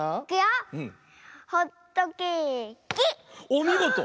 おみごと！